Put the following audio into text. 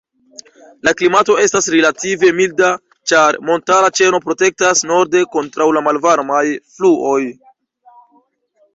La klimato estas relative milda, ĉar montara ĉeno protektas norde kontraŭ la malvarmaj fluoj.